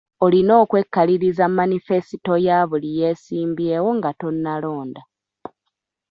Olina okwekaliriza manifesito ya buli yeesimbyewo nga tonnalonda.